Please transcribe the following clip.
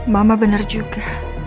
mama bener juga